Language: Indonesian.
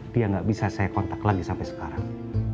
dia nggak bisa saya kontak lagi sampai sekarang